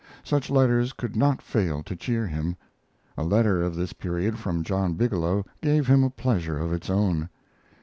Such letters could not fail to cheer him. A letter of this period, from John Bigelow, gave him a pleasure of its own.